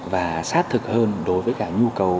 và sát thực hơn đối với cả nhu cầu